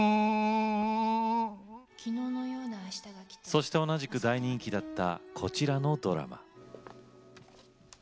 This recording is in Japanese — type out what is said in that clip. そして同じく大人気だったこちらのドラマ。